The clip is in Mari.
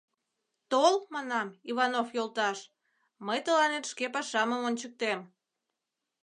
Тол, манам, Иванов йолташ, мый тыланет шке пашамым ончыктем...